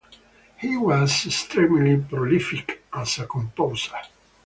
He was extremely prolific as a composer.